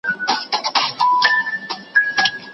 تنورونه له اسمانه را اوریږي